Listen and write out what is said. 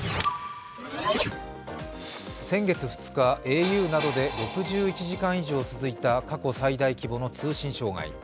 先月２日、ａｕなどで６１時間以上続いた過去最大規模の通信障害。